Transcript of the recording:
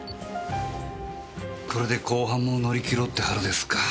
これで公判も乗り切ろうって腹ですか。